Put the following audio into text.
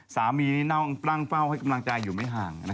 สามีนี่กำลังเฝ้าให้กำลังจายอยู่ไม่ห่าง